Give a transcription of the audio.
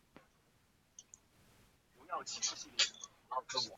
火之国与其忍者村木叶忍者村是整个故事展开的主要地点。